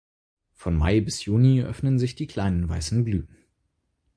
Von Mai bis Juni öffnen sich die kleinen weißen Blüten.